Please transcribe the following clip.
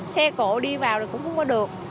xe cổ đi vào thì cũng không có được